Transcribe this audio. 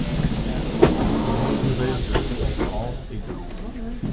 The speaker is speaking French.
Il mesurait de circonférence et de haut.